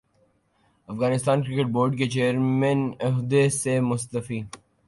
Afghanistan cricket board کے chairman عہدے سے مستعفی